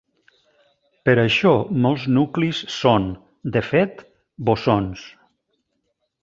Per això molts nuclis són, de fet, bosons.